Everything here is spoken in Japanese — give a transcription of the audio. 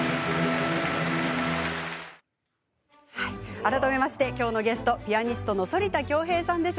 改めましてきょうのゲスト、ピアニストの反田恭平さんです。